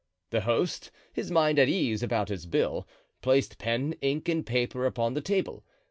The host, his mind at ease about his bill, placed pen, ink and paper upon the table.